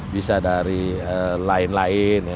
bisa dari lain lain